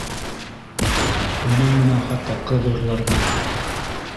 Уның менән хатта ҡыҙ урларға